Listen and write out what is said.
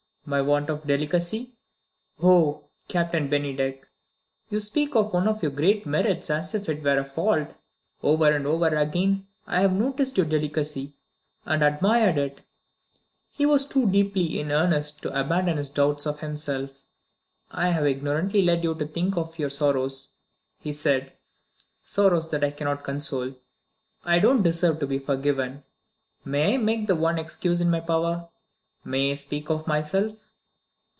"My want of delicacy." "Oh, Captain Bennydeck, you speak of one of your great merits as if it were a fault! Over and over again I have noticed your delicacy, and admired it." He was too deeply in earnest to abandon his doubts of himself. "I have ignorantly led you to think of your sorrows," he said; "sorrows that I cannot console. I don't deserve to be forgiven. May I make the one excuse in my power? May I speak of myself?"